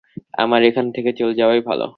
আমার এখান থেকে চলে যাওয়াই ভালো।